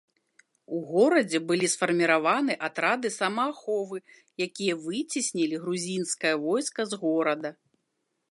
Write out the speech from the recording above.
У горадзе былі сфарміраваны атрады самааховы, якія выцеснілі грузінскае войска з горада.